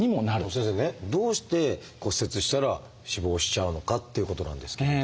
先生ねどうして骨折したら死亡しちゃうのかっていうことなんですけれど。